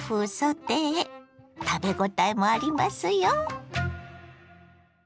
食べごたえもありますよ。